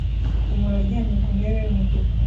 Umuntu aryamye ku ntebe yumutuku